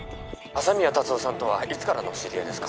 ☎朝宮達雄さんとはいつからのお知り合いですか？